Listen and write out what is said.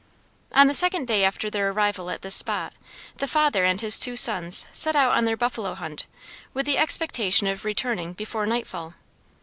On the second day after their arrival at this spot, the father and his two sons set out on their buffalo hunt with the expectation of returning before nightfall.